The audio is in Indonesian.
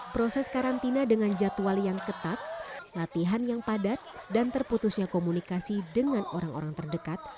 proses karantina dengan jadwal yang ketat latihan yang padat dan terputusnya komunikasi dengan orang orang terdekat